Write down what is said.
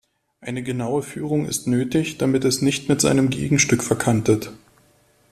Eine genaue Führung ist nötig, damit es nicht mit seinem Gegenstück verkantet.